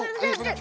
aduh pegang dulu